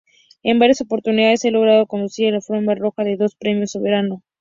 En varias oportunidades ha logrado conducir la alfombra roja de los Premios Soberano.